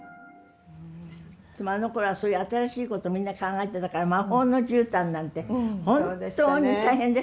あのころはそういう新しいことをみんな考えてたから「魔法のじゅうたん」なんて本当に大変でした。